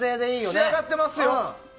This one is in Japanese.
仕上がっていますよ。